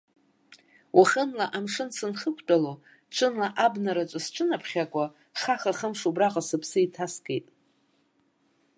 Уахынла амшын сынхықәтәало, ҽынла абнараҿы сҽынаԥхьакуа, хаха-хымш убраҟа сыԥсы еиҭаскит.